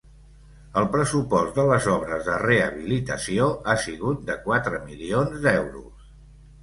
El pressupost de les obres de rehabilitació ha sigut de quatre milions d’euros.